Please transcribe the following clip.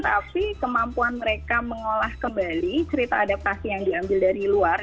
tapi kemampuan mereka mengolah kembali cerita adaptasi yang diambil dari luar